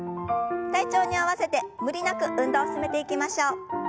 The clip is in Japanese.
体調に合わせて無理なく運動を進めていきましょう。